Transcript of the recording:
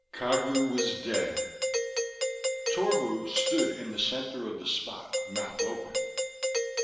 Cagu was dead. Torbu stood in the center of the Spot, mouth open.